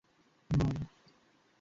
জীবন যুক্তিযুক্ত না, ব্রো।